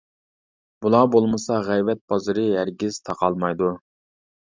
بۇلار بولمىسا غەيۋەت بازىرى ھەرگىز تاقالمايدۇ.